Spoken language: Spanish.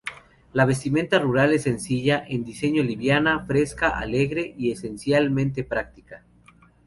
La vestimenta rural es sencilla en diseño, liviana, fresca, alegre y esencialmente práctica.